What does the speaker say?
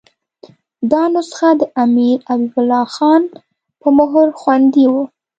دا نسخه د امیر حبیب الله خان په مهر خوندي وه.